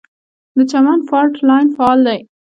د چمن فالټ لاین فعال دی